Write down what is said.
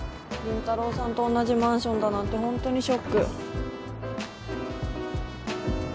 凛太郎さんとおんなじマンションだなんてホントにショック。